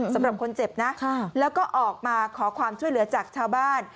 สำหรับคนเจ็บนะแล้วก็ออกมาขอความช่วยเหลือจากชาวบ้าน